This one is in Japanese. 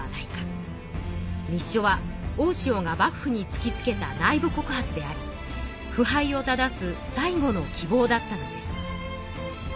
密書は大塩が幕府につきつけた内部告発でありふ敗を正す最後の希望だったのです。